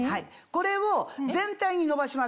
これを全体にのばします。